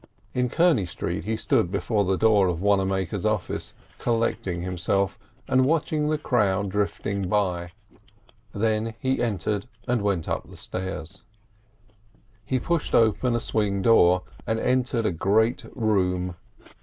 In Kearney Street he stood before the door of Wannamaker's office collecting himself and watching the crowd drifting by, then he entered and went up the stairs. He pushed open a swing door and entered a great room.